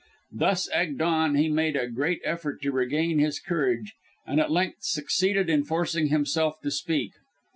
Thus egged on, he made a great effort to regain his courage, and at length succeeded in forcing himself to speak.